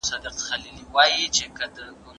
دروغجن هېڅکله د باور وړ نه وي.